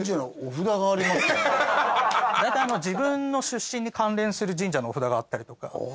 大体自分の出身に関連する神社のお札があったりとか。